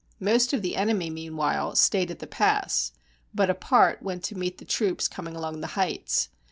Most of the enemy, meanwhile, stayed at the pass, but a part went to meet the troops coming along the heights.